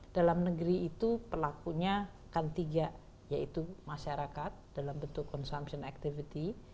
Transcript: dalam negeri itu pelakunya kan tiga yaitu masyarakat dalam bentuk consumption activity